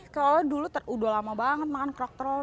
kalau dulu udah lama banget makan kerak telur